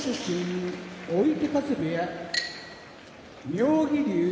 妙義龍